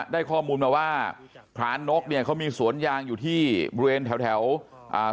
ได้ข้อมูลมาว่าพรานกเนี่ยเขามีสวนยางอยู่ที่บริเวณแถวแถวอ่า